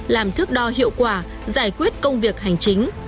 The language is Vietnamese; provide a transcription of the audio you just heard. làm thước đo hiệu quả giải quyết công việc hành chính